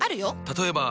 例えば。